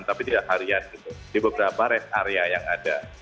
tapi tidak harian gitu di beberapa rest area yang ada